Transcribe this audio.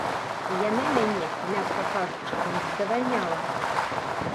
І яна мяне, мякка кажучы, не задавальняла.